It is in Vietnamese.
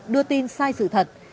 đưa tin sai sự thật